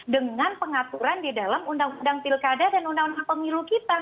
dengan pengaturan di dalam undang undang pilkada dan undang undang pemilu kita